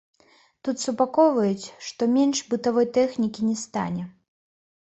Тут супакойваюць, што менш бытавой тэхнікі не стане.